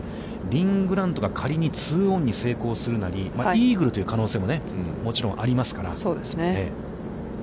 リン・グラントが仮にツーオンに成功するなり、イーグルという可能性ももちろんありますから。